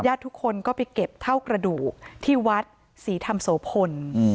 ทุกคนก็ไปเก็บเท่ากระดูกที่วัดศรีธรรมโสพล